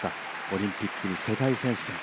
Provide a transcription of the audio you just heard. オリンピックに世界選手権。